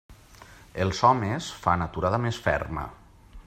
Els homes fan aturada més ferma.